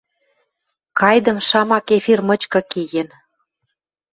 Кайдым шамак эфир мычкы кеен